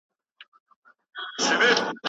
هره شپه